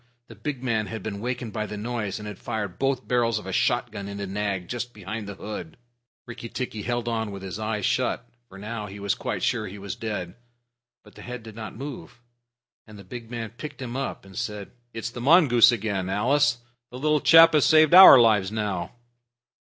The big man had been wakened by the noise, and had fired both barrels of a shotgun into Nag just behind the hood. Rikki tikki held on with his eyes shut, for now he was quite sure he was dead. But the head did not move, and the big man picked him up and said, "It's the mongoose again, Alice. The little chap has saved our lives now."